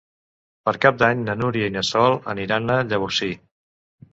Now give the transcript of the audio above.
Per Cap d'Any na Núria i na Sol aniran a Llavorsí.